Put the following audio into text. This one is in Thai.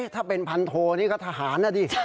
ถ้าเป็นพันโทนี่ก็ทหารนะดิ